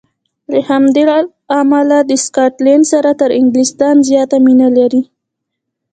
له همدې امله د سکاټلنډ سره تر انګلیستان زیاته مینه لري.